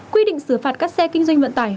quy định xử phạt các xe kinh doanh vận tải